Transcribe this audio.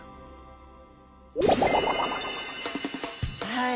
はい。